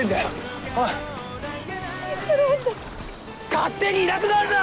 勝手にいなくなるな！